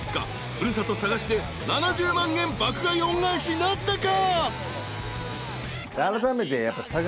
古里佐賀市で７０万円爆買い恩返しなったか？］